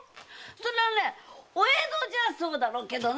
そりゃねお江戸じゃそうだろうけどね